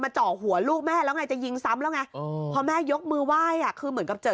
มาเจาะหัวลูกแม่แล้วไงจะยิงซ้ำแล้วไง